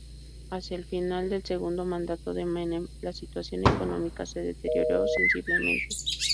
Hacía el final del segundo mandato de Menem, la situación económica se deterioró sensiblemente.